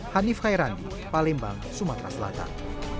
hanif khairandi palembang sumatera selatan